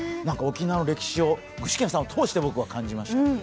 なんか沖縄の歴史を具志堅さんを通して感じました。